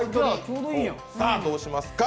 さあ、どうしますか？